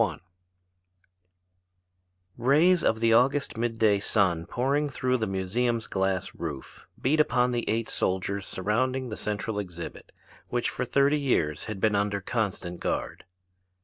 ] Rays of the August mid day sun pouring through the museum's glass roof beat upon the eight soldiers surrounding the central exhibit, which for thirty years has been under constant guard.